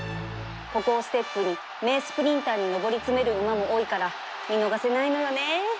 ここをステップに名スプリンターに登り詰める馬も多いから見逃せないのよね